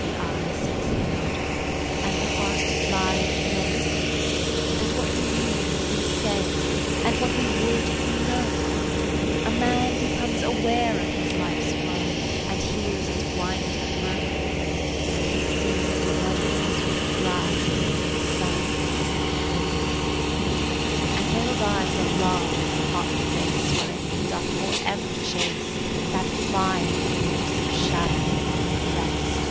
The eye sinks inward, and the heart lies plain, And what we mean, we say, and what we would, we know. A man becomes aware of his life's flow, And hears its winding murmur; and he sees The meadows where it glides, the sun, the breeze. And there arrives a lull in the hot race Wherein he doth for ever chase That flying and elusive shadow, rest.